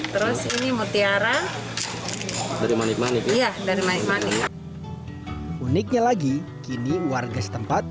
terus ini mutiara dari manis manis iya dari manik manik uniknya lagi kini warga setempat